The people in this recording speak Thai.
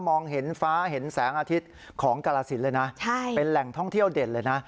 มองเห็นฟ้าเห็นแสงอาทิตย์ของกรสินเลยนะเป็นแหล่งท่องเที่ยวเด่นเลยนะ